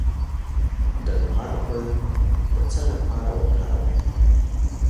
د لمر ګل د څه لپاره وکاروم؟